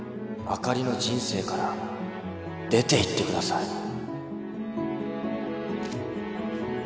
あかりの人生から出ていってください